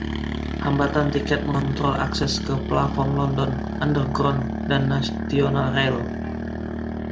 Hambatan tiket mengontrol akses ke platform London Underground dan National Rail.